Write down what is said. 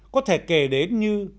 có thể kể đến như